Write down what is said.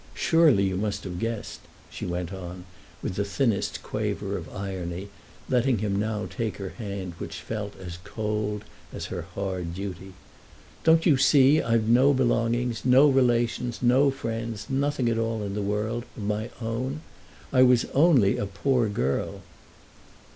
Surely you must have guessed!" she went on, with the thinnest quaver of irony, letting him now take her hand, which felt as cold as her hard duty. "Don't you see I've no belongings, no relations, no friends, nothing at all, in all the world, of my own? I was only a poor girl."